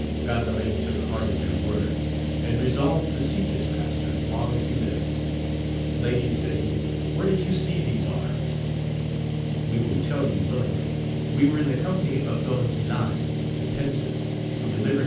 Gandalin took heart at their words, and resolved to seek his master as long as he lived. Ladies, said he, where did you see these arms 1 — We will tell you willingly : we were in the company of Don Guilan the Pensive, who delivered AMADIS OF OAUL.